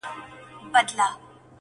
سهار دي نه سي -